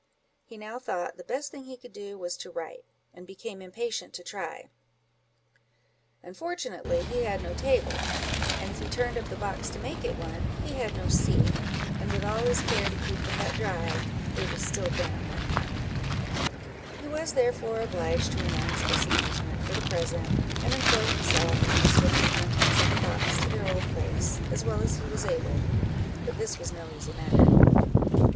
He now thought, the best thing he could do was to write, and became impatient to try. Unfortunately he had no table, and if he turned up the box to make it one, he had no seat; and with all his care to keep the hut dry, it was still damp on the ground; he was therefore obliged to renounce this amusement, for the present, and employ himself in restoring the contents of the box to their old place, as well as he was able; but this was no easy matter.